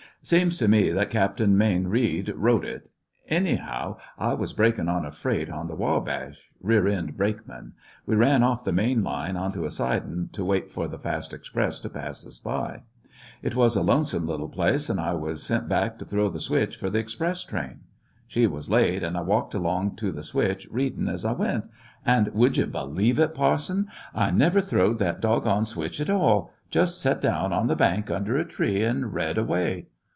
"Seems to me that Cap'n Mayne Keid wrote it. Anyhow, I was brakin' on a freight on the Wabash— rear end brakeman. We ran off the main line onto a sidin' to wait for the fast express to pass by us. It was a lonesome little place, an' I was sent back to throw the switch for the express train. She was late, an' I walked along to the switch, readin' as I went, an'— would you believe it, parsont— I never throwed that dog gone switch at all ; just set down on the bank under a tree an' read away.